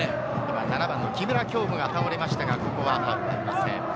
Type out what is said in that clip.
７番の木村匡吾は倒れましたが、ここはフラッグは上がっていません。